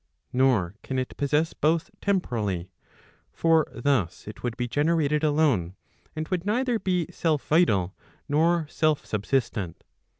Nor can it possess both temporally: for thus it would be generated alone, and would neither be self vital, nor self subsistent.